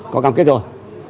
có cam kết rồi